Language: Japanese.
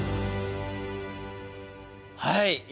はい。